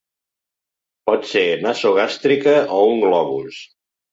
Pot ser nasogàstrica o un globus.